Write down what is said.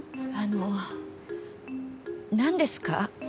あのなんですか？